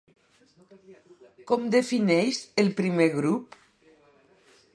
Com defineix el primer grup?